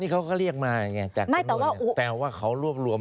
นี่เขาก็เรียกมาแต่ว่าเขารวบรวม